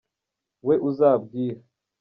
we uzabwiha”.